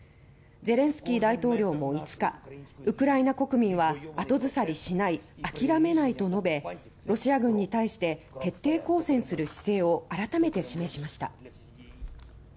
ゼレンスキー大統領も、５日「ウクライナ国民は後ずさりしないあきらめない」と述べロシア軍に対して徹底抗戦する姿勢を改めて示しました。